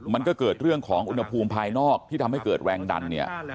มันก็เกิดเรื่องของอุณหภูมิภายนอกที่ทำให้เกิดแรงดันเนี่ย